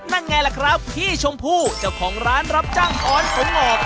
นั่นไงล่ะครับพี่ชมพู่เจ้าของร้านรับจ้างออนผมงอก